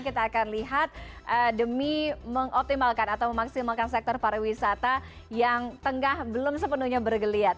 kita akan lihat demi mengoptimalkan atau memaksimalkan sektor pariwisata yang tengah belum sepenuhnya bergeliat